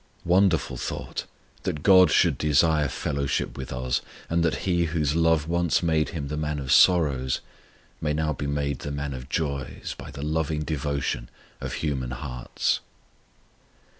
Wonderful thought! that God should desire fellowship with us; and that He whose love once made Him the Man of Sorrows may now be made the Man of Joys by the loving devotion of human hearts.